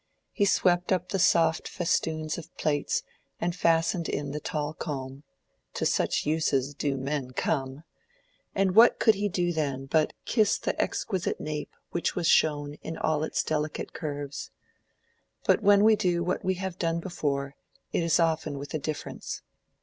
He swept up the soft festoons of plaits and fastened in the tall comb (to such uses do men come!); and what could he do then but kiss the exquisite nape which was shown in all its delicate curves? But when we do what we have done before, it is often with a difference.